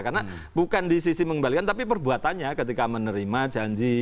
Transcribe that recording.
karena bukan di sisi mengembalikan tapi perbuatannya ketika menerima janji